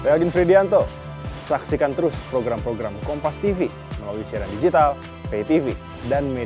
ya harus bayar pajaknya